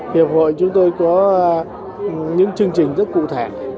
hiệp hội chúng tôi có những chương trình rất cụ thể